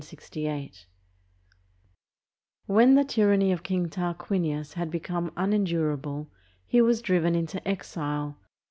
1760 1832) When the tyranny of King Tarquinius had become unen durable, he was driven into exile.